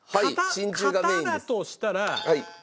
型だとしたら。